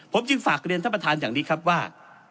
ผมจึงฝากเรียนท่านประธานอย่างนี้ครับว่า